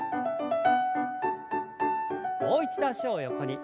もう一度脚を横に。